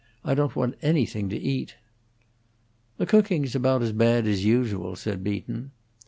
I don't want anything to eat." "The cooking's about as bad as usual," said Beaton.